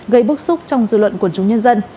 gây bức xúc trong dư luận quần chúng nhân dân